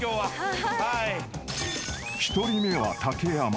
［１人目は竹山］